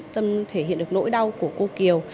tâm thể hiện được nỗi đau của cô kiều